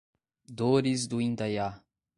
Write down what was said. Dores do Indaiá